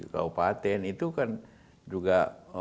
kabupaten itu kan juga